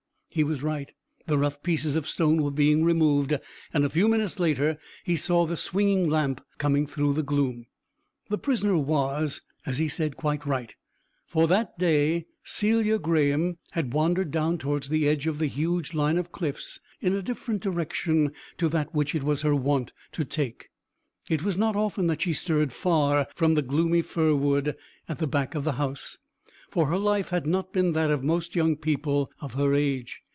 He was right, the rough pieces of stone were being removed, and a few minutes later he saw the swinging lamp coming through the gloom. The prisoner was, as he said, quite right, for that day Celia Graeme had wandered down towards the edge of the huge line of cliffs in a different direction to that which it was her wont to take. It was not often that she stirred far from the gloomy fir wood at the back of the house, for her life had not been that of most young people of her age.